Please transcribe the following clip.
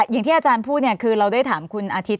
อย่างที่อาจารย์พูดเนี่ยคือเราได้ถามคุณอาทิตย